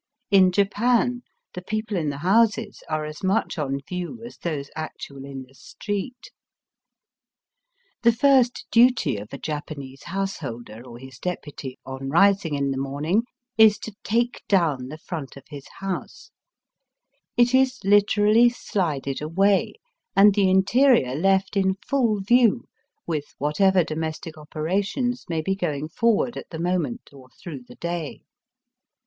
In Japan the people in the houses are as much on view as those actually in the street. The first duty of a Japanese householder or his deputy on rising in the morning is to VOL. I. 13 Digitized by VjOOQIC 194 EAST BT WEST. take down the front of his house. It is Kterally slided away, and the interior left in full view with whatever domestic operations may be going forward at the moment or through the day.